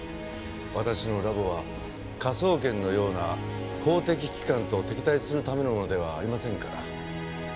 私のラボは科捜研のような公的機関と敵対するためのものではありませんから。